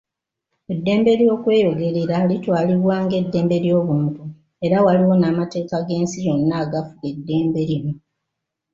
Eddembe ly'okweyogerera litwalibwa ng'eddembe ly'obuntu era waliwo n'amateeka g'ensi yonna agafuga eddembe lino